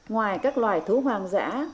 ngoài các loài thú hoang dã